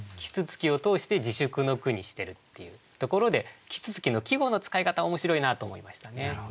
啄木鳥を通して自祝の句にしてるっていうところで「啄木鳥」の季語の使い方面白いなと思いましたね。